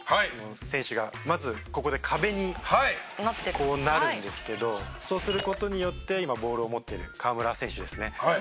選手がまずここで壁になるんですけどそうする事によって今ボールを持ってる河村選手ですね。